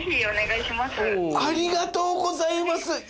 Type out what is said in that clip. ありがとうございます！